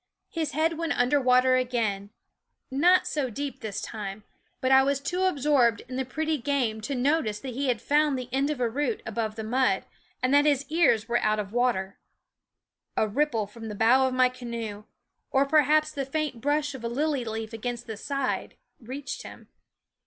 His head went under water again not so deep this time ; but I was too absorbed in the pretty game to notice that he had found the end of a root above the mud, and that his ears were out of water. A ripple from the bow of my canoe, or perhaps the faint brush of a lily leaf against the side, reached him.